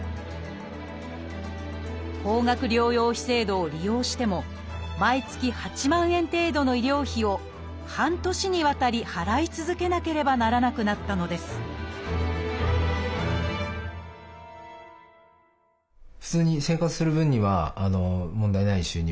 高額療養費制度を利用しても毎月８万円程度の医療費を半年にわたり払い続けなければならなくなったのですどうしよう？みたいなところはありましたね。